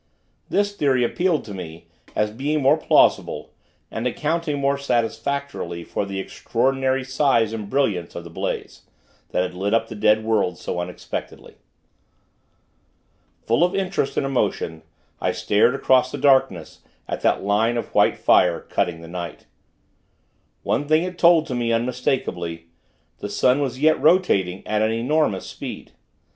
This theory appealed to me, as being more plausible, and accounting more satisfactorily for the extraordinary size and brilliance of the blaze, that had lit up the dead world, so unexpectedly. Full of interest and emotion, I stared, across the darkness, at that line of white fire, cutting the night. One thing it told to me, unmistakably: the sun was yet rotating at an enormous speed.